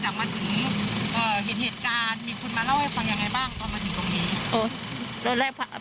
ยังไงบ้างตอนมาถึงตรงนี้